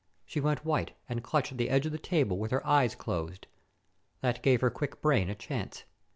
She went white and clutched the edge of the table, with her eyes closed. That gave her quick brain a chance.